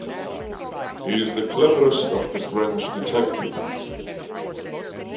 He is the cleverest of the French detectives.